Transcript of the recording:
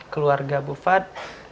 keluarga bu fat